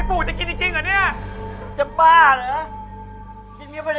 ปูจะกินจริงเหรอเนี่ย